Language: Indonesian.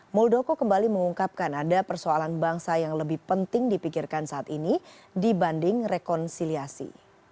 muldoko kembali mengungkapkan ada persoalan bangsa yang lebih penting dipikirkan saat ini dibanding rekonsiliasi